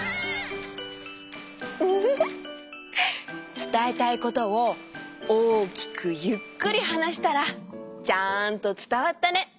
つたえたいことを大きくゆっくりはなしたらちゃんとつたわったね。